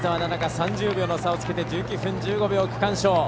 ３０秒の差をつけて１９分１５秒、区間賞。